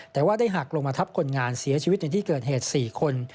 แต่ว่าได้หักลงมาทับคนงานเสียชีวิตในที่เกิดเหตุ๔คน